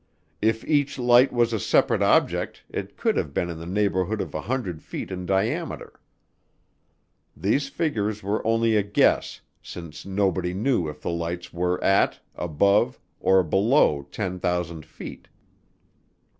If each light was a separate object it could have been in the neighborhood of 100 feet in diameter. These figures were only a guess since nobody knew if the lights were at, above, or below 10,000 feet.